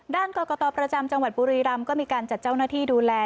ด้านกรกตประจำจังหวัดบุรีรำก็มีการจัดเจ้าหน้าที่ดูแล